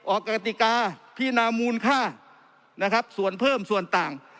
กติกาพินามูลค่านะครับส่วนเพิ่มส่วนต่าง